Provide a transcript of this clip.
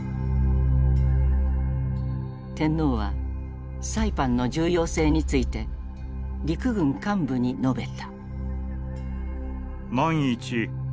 天皇はサイパンの重要性について陸軍幹部に述べた。